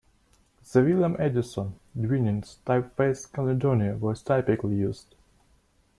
The William Addison Dwiggins typeface Caledonia was typically used.